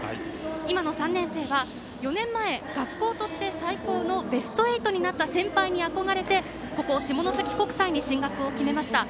今の３年生は、４年前学校として最高のベスト８になった先輩に憧れてここ下関国際に進学を決めました。